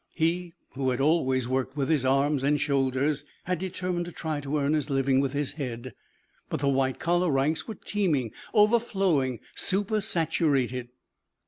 He who had always worked with his arms and shoulders had determined to try to earn his living with his head. But the white collar ranks were teeming, overflowing, supersaturated.